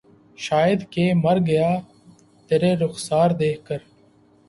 شاید کہ مر گیا ترے رخسار دیکھ کر